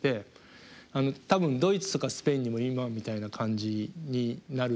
多分ドイツとかスペインにも今みたいな感じになるかなと思います。